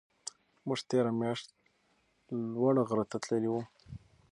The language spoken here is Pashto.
موږ تېره میاشت لوړ غره ته تللي وو.